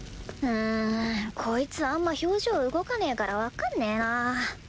うんコイツあんま表情動かねえからわかんねえなぁ。